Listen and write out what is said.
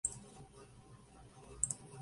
Fue el menor de tres hermanos.